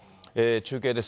中継です。